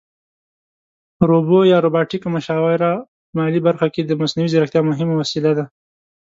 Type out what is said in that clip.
روبو یا روباټیکه مشاوره په مالي برخه کې د مصنوعي ځیرکتیا مهمه وسیله ده